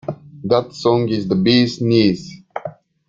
That song is the bee’s knees.